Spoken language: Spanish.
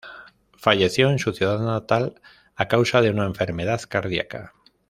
Falleció en su ciudad natal, a causa de una enfermedad cardíaca.